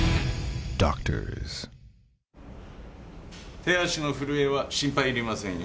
手足の震えは心配いりませんよ。